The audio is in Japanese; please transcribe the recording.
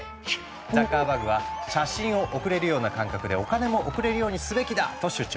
ザッカーバーグは「写真を送れるような感覚でお金も送れるようにすべきだ」と主張。